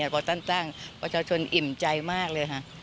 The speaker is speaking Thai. พอท่านตั้งประชาชนอิ่มใจมากเลยค่ะ